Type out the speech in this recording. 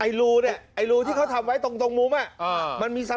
ไอ้หรูเนี่ยที่เค้าทำตรงมุมอะมันมีสลัด